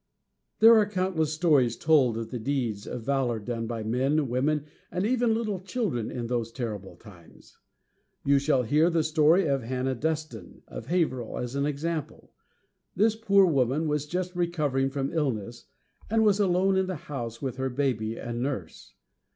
There are countless stories told of the deeds of valor done by men, women, and even little children in those terrible times. You shall hear the story of Hannah Dustin, of Haverhill, as an example. This poor woman was just recovering from illness, and was alone in the house, with her baby and nurse.